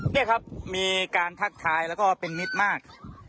นี่ครับมีการทักทายแล้วก็เป็นมิตรมาก